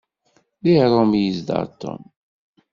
Deg Rome i yezdeɣ Tom.